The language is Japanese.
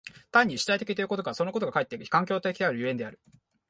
単に主体的ということそのことがかえって環境的たる所以である。